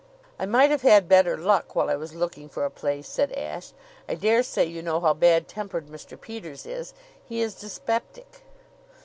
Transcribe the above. "I might have had better luck while I was looking for a place," said Ashe. "I dare say you know how bad tempered Mr. Peters is. He is dyspeptic."